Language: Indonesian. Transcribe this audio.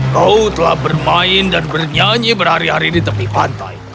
kau telah bermain dan bernyanyi berhari hari di tepi pantai